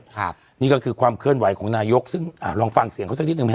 ครับนี่ก็คือความเคลื่อนไหวของนายกซึ่งอ่าลองฟังเสียงเขาสักนิดหนึ่งไหมฮ